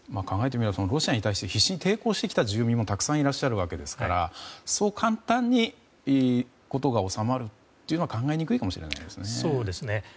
考えてみればロシアに対して必死に抵抗してきた住民もたくさんいらっしゃるわけですからそう簡単に事が収まるというのは考えにくいかもしれないですね。